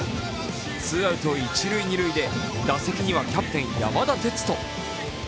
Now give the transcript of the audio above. ツーアウト一・二塁で打席にはキャプテン・山田哲人。